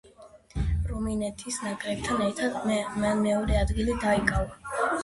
რუმინეთის ნაკრებთან ერთად მან მეორე ადგილი დაიკავა.